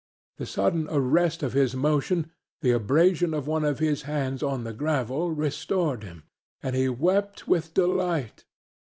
The sudden arrest of his motion, the abrasion of one of his hands on the gravel, restored him, and he wept with delight.